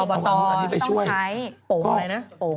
เอาบัตรต้องใช้โป่ง